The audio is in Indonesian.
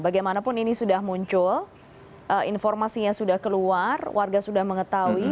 bagaimanapun ini sudah muncul informasinya sudah keluar warga sudah mengetahui